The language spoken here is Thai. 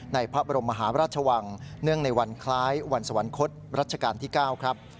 พระบรมมหาราชวังเนื่องในวันคล้ายวันสวรรคตรัชกาลที่๙ครับ